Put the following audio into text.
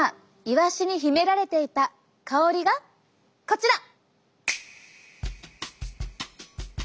イワシに秘められていた香りがこちら！